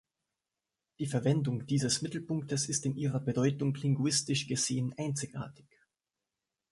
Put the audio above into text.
Die Verwendung dieses Mittelpunktes ist in ihrer Bedeutung linguistisch gesehen einzigartig.